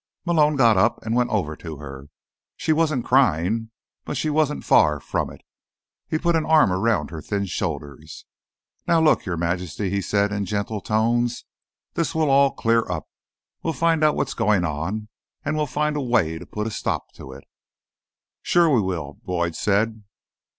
Malone got up and went over to her. She wasn't crying, but she wasn't far from it. He put an arm around her thin shoulders. "Now, look, Your Majesty," he said in gentle tones, "this will all clear up. We'll find out what's going on, and we'll find a way to put a stop to it." "Sure we will," Boyd said.